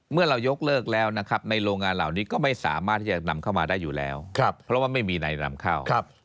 เมื่อเรายกเลิกแล้วนะครับในโรงงานเหล่านี้ก็ไม่สามารถที่จะนำเข้ามาได้อยู่แล้วเพราะว่าไม่มีในนำเข้า